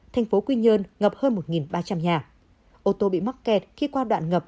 thành phố quy nhơn ngập hơn một ba trăm linh nhà ô tô bị mắc kẹt khi qua đoạn ngập